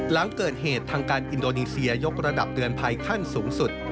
หลังเกิดเหตุทางการอินโดนีเซียยกระดับเตือนภัยขั้นสูงสุด